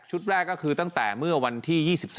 แรกก็คือตั้งแต่เมื่อวันที่๒๒